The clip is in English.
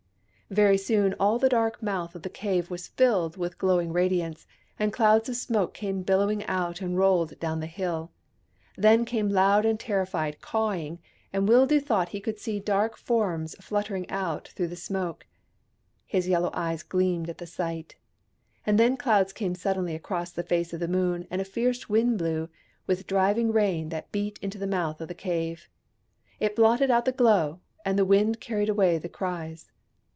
Very soon all the dark mouth of the cave was filled with glowing radiance, and clouds of smoke came billowing out and rolled down the hill. Then came loud and terrified cawing, and Wildoo thought he could see dark forms fluttering out through the smoke. His yellow eyes gleamed at the sight. And then clouds came suddenly across the face of the Moon, and a fierce wind blew, with driving rain that beat into the mouth of the cave. It blotted out the glow, and the wind carried away the cries.